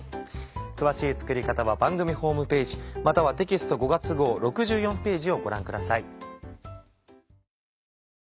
詳しい作り方は番組ホームページまたはテキスト５月号６４ページをご覧ください。